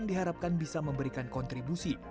demikian mbak desi